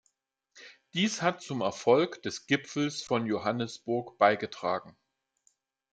Dies hat zum Erfolg des Gipfels von Johannesburg beigetragen.